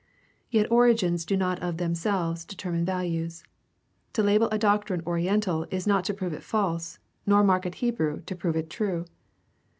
Yet origins do not of them selves determine values. To label a doctrine oriental is not to prove it false, nor to mark it Hebrew to prove it true.